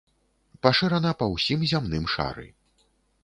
Пашырана па ўсім зямным шары.